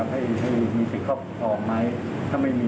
ให้มีสิทธิ์ครอบครองไหมถ้าไม่มี